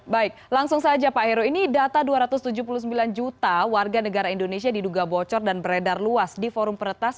baik langsung saja pak heru ini data dua ratus tujuh puluh sembilan juta warga negara indonesia diduga bocor dan beredar luas di forum peretas